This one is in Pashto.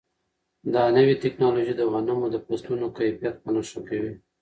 دا نوې ټیکنالوژي د غنمو د فصلونو کیفیت په نښه کوي.